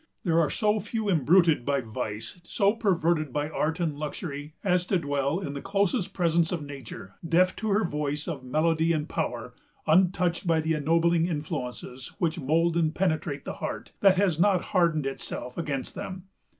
There are few so imbruted by vice, so perverted by art and luxury, as to dwell in the closest presence of Nature, deaf to her voice of melody and power, untouched by the ennobling influences which mould and penetrate the heart that has not hardened itself against them.